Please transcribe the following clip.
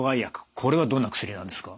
これはどんな薬なんですか？